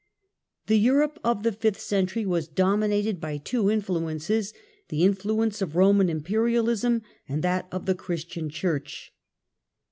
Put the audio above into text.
The Europe of the fifth century was dominated by Th e two influences — the influence of Eoman Imperialism Empire and that of the Christian Church.